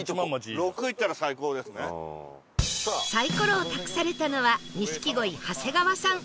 サイコロを託されたのは錦鯉長谷川さん